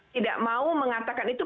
tidak mau mengatakan itu